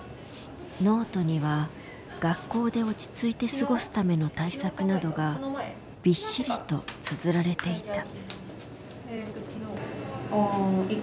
ノートには学校で落ち着いて過ごすための対策などがびっしりとつづられていた。